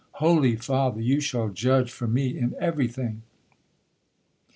'—'Holy Father, you shall judge for me in every thing.'